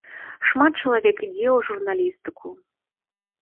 Шмат чалавек ідзе ў журналістыку.